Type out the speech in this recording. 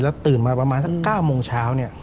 แล้วตื่นมาประมาณสัก๙โมงเช้า